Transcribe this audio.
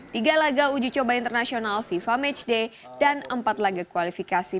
tiga laga uji coba internasional fifa matchday dan empat laga kualifikasi